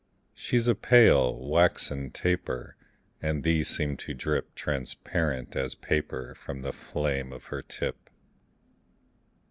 She's a pale, waxen taper; And these seem to drip Transparent as paper From the flame of her tip.